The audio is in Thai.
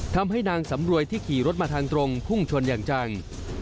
ทำให้นางสำรวยที่ขี่รถมาทางตรงพุ่งชนอย่างจัง